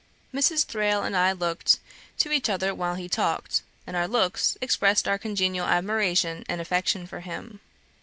Mrs. Thrale and I looked to each other while he talked, and our looks expressed our congenial admiration and affection for him.